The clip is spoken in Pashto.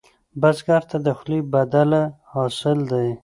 بزګر ته د خولې بدله حاصل دی